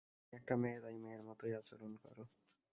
তুমি একটা মেয়ে, তাই মেয়ের মতই আচরণ কর।